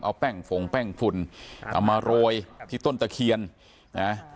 เอาแป้งฝงแป้งฝุ่นเอามาโรยที่ต้นตะเคียนนะ